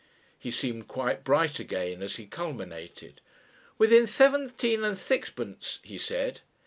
He seemed quite bright again as he culminated. "Within seventeen and sixpence," he said.